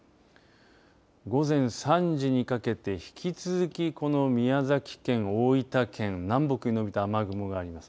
午前３時にかけて、引き続きこの宮崎県、大分県南北に伸びた雨雲があります。